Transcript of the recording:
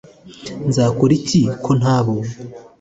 nzakora iki? ko nabonye